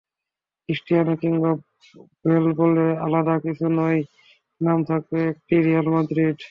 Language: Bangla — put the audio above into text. ক্রিস্টিয়ানো কিংবা বেল বলে আলাদা কিছু নয়, নাম থাকবে একটিই—রিয়াল মাদ্রিদ।